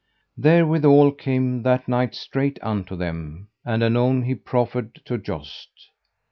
Therewithal came that knight straight unto them, and anon he proffered to joust.